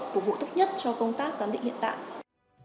phục vụ tốt nhất cho công tác trang bị hiện tại